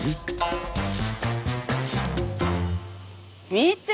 見て！